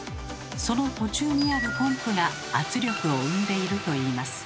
その途中にあるポンプが圧力を生んでいるといいます。